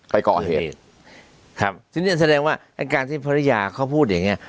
ไปก่อเหตุครับทีนี้แสดงว่าไอ้การที่ภรรยาเขาพูดอย่างเงี้